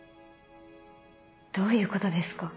どういうことですか？